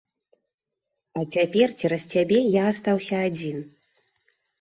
А цяпер цераз цябе я астаўся адзін.